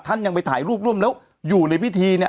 ยังไปถ่ายรูปร่วมแล้วอยู่ในพิธีเนี่ย